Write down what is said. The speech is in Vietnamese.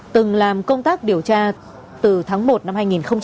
từng làm công tác điều tra từ tháng một năm hai nghìn một mươi chín